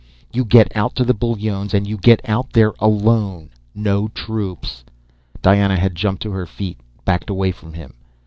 You get out to the Bullones! And you get there alone! No troops!"_ Diana had jumped to her feet, backed away from him.